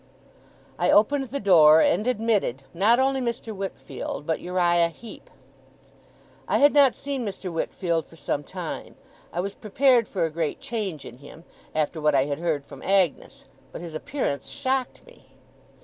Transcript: I opened the door, and admitted, not only Mr. Wickfield, but Uriah Heep. I had not seen Mr. Wickfield for some time. I was prepared for a great change in him, after what I had heard from Agnes, but his appearance shocked me.